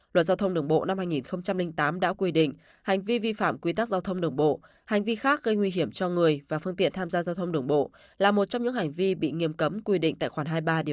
luật giao thông đường bộ năm hai nghìn tám đã quy định hành vi vi phạm quy tắc giao thông đường bộ hành vi khác gây nguy hiểm cho người và phương tiện tham gia giao thông đường bộ là một trong những hành vi bị nghiêm cấm quy định tại khoản hai mươi ba